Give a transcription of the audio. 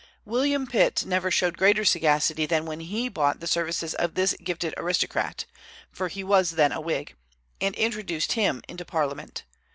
William Pitt never showed greater sagacity than when he bought the services of this gifted aristocrat (for he was then a Whig), and introduced him into Parliament.